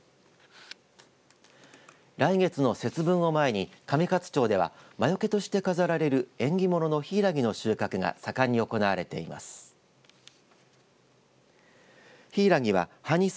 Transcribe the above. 来月の節分を前に上勝町では魔よけとして飾られる縁起物のひいらぎの収穫が盛んに行われています。